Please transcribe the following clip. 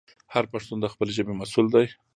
هر پښتون د خپلې ژبې مسوول دی.